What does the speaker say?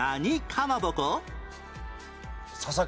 笹かまぼこ。